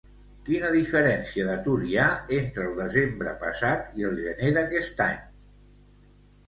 Quina diferència d'atur hi ha entre el desembre passat i el gener d'aquest any?